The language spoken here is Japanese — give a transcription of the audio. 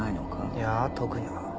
いや特には。